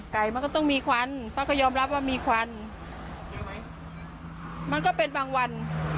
หะไว้ป้าก็ยอมรับว่ามีขวัญมันก็เป็นบางวัน